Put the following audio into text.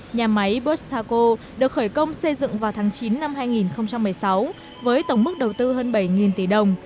nhà máy bushaco được khởi công xây dựng vào tháng chín năm hai nghìn một mươi sáu với tổng mức đầu tư hơn bảy tỷ đồng